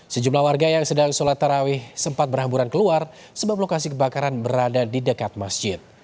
sejumlah warga yang sedang sholat tarawih sempat berhamburan keluar sebab lokasi kebakaran berada di dekat masjid